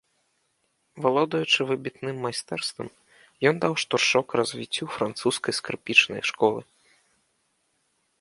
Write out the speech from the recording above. Валодаючы выбітным майстэрствам, ён даў штуршок развіццю французскай скрыпічнай школы.